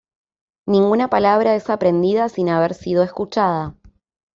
Ninguna palabra es aprendida sin haber sido escuchada.